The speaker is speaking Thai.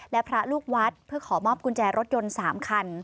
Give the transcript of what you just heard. และพระลูกวัดเพื่อขอมอบกุญแจรถยนต์๓คัน